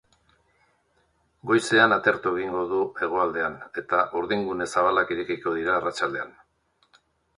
Goizean atertu egingo du hegoaldean eta urdingune zabalak irekiko dira arratsaldean.